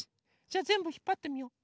じゃあぜんぶひっぱってみよう。